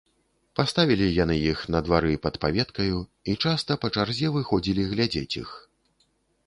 Паставілі яны іх на двары, пад паветкаю, і часта, па чарзе, выходзілі глядзець іх.